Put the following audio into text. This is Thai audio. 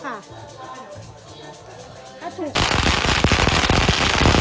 แต่ขย้าวเซ็มซีด้วยเล็กนี้นะ